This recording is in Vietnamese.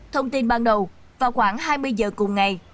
thông tin ban đầu vào khoảng hai mươi giờ cùng ngày